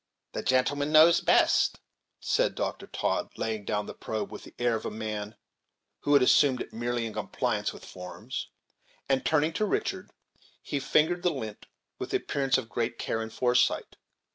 "The gentleman knows best," said Dr. Todd, laying down the probe with the air of a man who had assumed it merely in compliance with forms; and, turning to Richard, he fingered the lint with the appearance of great care and foresight.